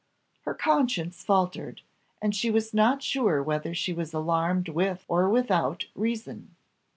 Her conscience faltered, and she was not sure whether she was alarmed with or without reason.